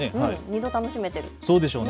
２度、楽しめている。